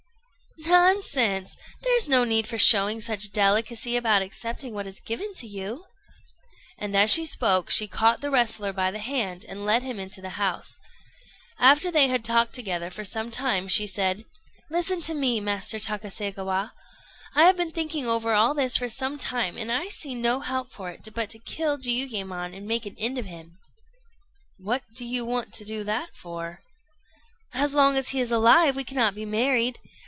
"] "Nonsense! There's no need for showing such delicacy about accepting what is given you." And as she spoke, she caught the wrestler by the hand and led him into the house. After they had talked together for some time, she said: "Listen to me, Master Takaségawa. I have been thinking over all this for some time, and I see no help for it but to kill Jiuyémon and make an end of him." "What do you want to do that for?" "As long as he is alive, we cannot be married.